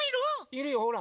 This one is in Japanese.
いるよほら。